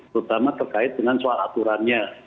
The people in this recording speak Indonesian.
terutama terkait dengan soal aturannya